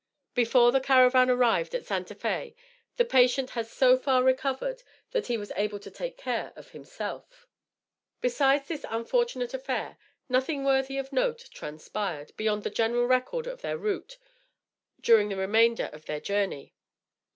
Before the caravan arrived at Santa Fé the patient had so far recovered that he was able to take care of himself. Besides this unfortunate affair, nothing worthy of note transpired, beyond the general record of their route, during the remainder of their journey.